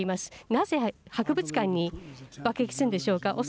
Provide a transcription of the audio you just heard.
なぜ博物館に爆撃するんでしょうか。